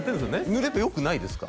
濡れ場よくないですか？